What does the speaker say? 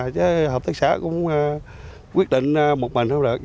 chứ hợp tác xã cũng quyết định một mình thôi